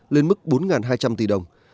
lên mức bốn hai trăm linh tỷ đồng